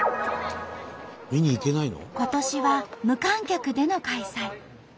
今年は無観客での開催。